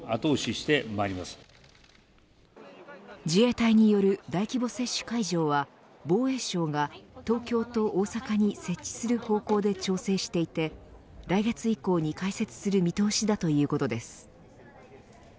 自衛隊による大規模接種会場は防衛省が東京と大阪に設置する方向で調整していて来月以降に開設する見通しだということです。